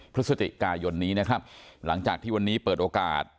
พฤศจิกายนนี้นะครับหลังจากที่วันนี้เปิดโอกาส